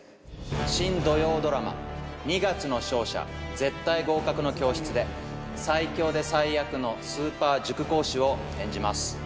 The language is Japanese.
新土曜ドラマ『二月の勝者絶対合格の教室』で最強で最悪のスーパー塾講師を演じます。